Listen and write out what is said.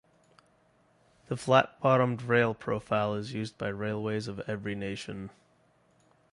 The flat bottomed rail profile is used by railways of every nation.